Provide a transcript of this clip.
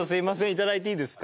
いただいていいですか？